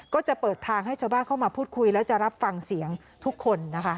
ก็จะเปิดทางให้ชาวบ้านเข้ามาพูดคุยและจะรับฟังเสียงทุกคนนะคะ